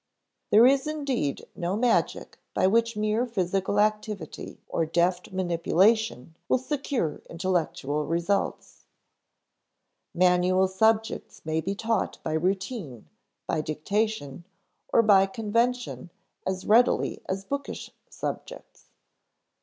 There is indeed no magic by which mere physical activity or deft manipulation will secure intellectual results. (See p. 43.) Manual subjects may be taught by routine, by dictation, or by convention as readily as bookish subjects.